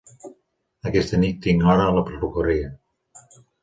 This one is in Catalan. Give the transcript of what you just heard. Aquesta nit tinc hora a la perruqueria.